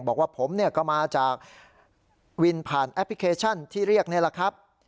บอกว่าผมเนี่ยก็มาจากวินผ่านแอปพลิเคชันที่เรียกนี่แหละครับ